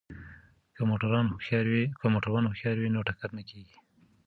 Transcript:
که موټروان هوښیار وي نو ټکر نه کیږي.